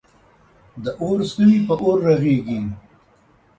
د اور سوی په اور رغیږی.